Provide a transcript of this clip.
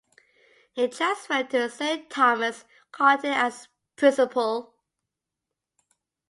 He transferred to Saint Thomas, Kotte as Principal.